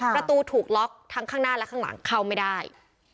ประตูถูกล็อกทั้งข้างหน้าและข้างหลังเข้าไม่ได้